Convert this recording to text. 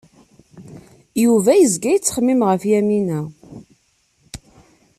Yuba yezga yettxemmim ɣef Yamina.